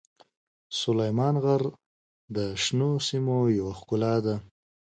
سلیمان غر د شنو سیمو یوه ښکلا ده.